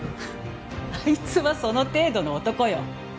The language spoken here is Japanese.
あいつはその程度の男よ。